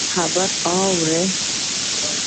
خبره واوره!